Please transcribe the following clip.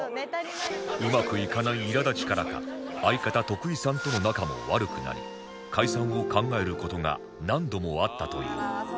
うまくいかない苛立ちからか相方徳井さんとの仲も悪くなり解散を考える事が何度もあったという